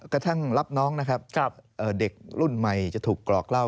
กระทั่งรับน้องเด็กรุ่นใหม่จะถูกกรอกเวลา